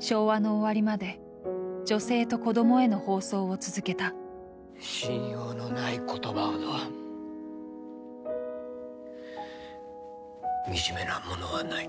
昭和の終わりまで女性と子供への放送を続けた信用のない言葉ほど惨めなものはない。